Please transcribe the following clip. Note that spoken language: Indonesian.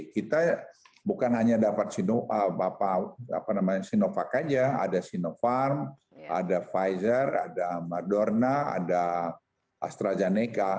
kita bukan hanya dapat sinovac aja ada sinopharm ada pfizer ada madorna ada astrazeneca